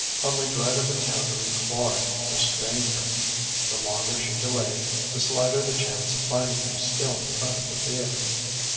Only dread of encountering Quard restrained her. The longer she delayed, the slighter the chance of finding him still in front of the theatre....